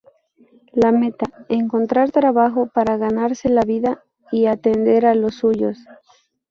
La meta: encontrar trabajo para ganarse la vida y atender a los suyos.